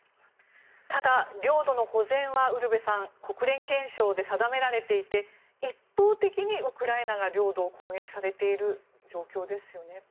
ただ、領土の保全はウルヴェさん国連憲章で定められていて一方的にウクライナが領土を攻撃されている状況ですよね。